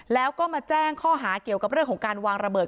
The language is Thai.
แล้วก็มาแจ้งข้อหาเกี่ยวกับเรื่องของการวางระเบิด